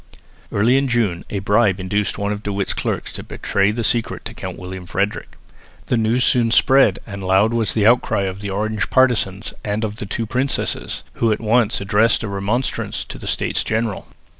Early in June a bribe induced one of De Witt's clerks to betray the secret to Count William Frederick. The news soon spread, and loud was the outcry of the Orange partisans and of the two princesses, who at once addressed a remonstrance to the States General.